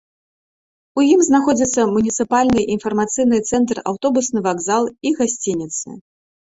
У ім знаходзяцца муніцыпальны інфармацыйны цэнтр, аўтобусны вакзал і гасцініцы.